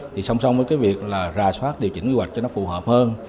thì song song với cái việc là ra soát điều chỉnh quy hoạch cho nó phù hợp hơn